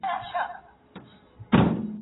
سمارټ وسایل تر زړو کتابونو اسانه دي.